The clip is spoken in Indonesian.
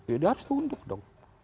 jadi harus tunduk dong